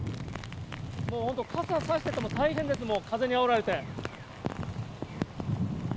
もう本当、傘差してても大変です、風にあおられて。